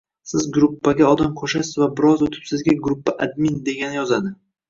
Siz gruppaga odam qo‘shasiz va biroz o‘tib sizga «Gruppa Admin» degani yozadi.